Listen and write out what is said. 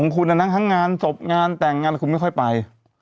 คุณศพงานแต่งงานคุณไม่ค่อยไป